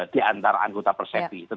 tidak ada perbedaan terlalu signifikan